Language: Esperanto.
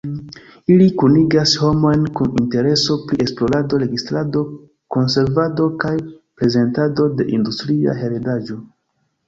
Ili kunigas homojn kun intereso pri esplorado, registrado, konservado kaj prezentado de industria heredaĵo.